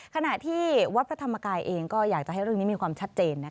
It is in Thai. ขณะที่วัดพระธรรมกายเองก็อยากจะให้เรื่องนี้มีความชัดเจน